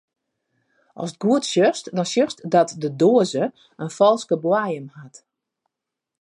Ast goed sjochst, dan sjochst dat de doaze in falske boaiem hat.